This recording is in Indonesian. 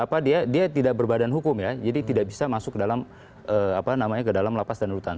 karena dia tidak berbadan hukum ya jadi tidak bisa masuk ke dalam apa namanya ke dalam lapas dan rutan